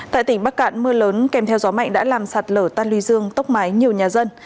tại tỉnh bắc cạn mưa lớn kèm theo gió mạnh đã làm sạt lở tan lưu dương tốc mái nhiều nhà dân